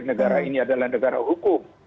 negara ini adalah negara hukum